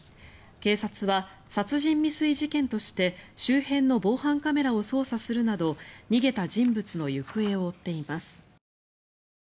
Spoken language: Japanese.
警察は殺人未遂事件として周辺の防犯カメラを捜査するなど逃げた人物の行方を追っています。